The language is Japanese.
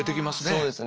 そうですね。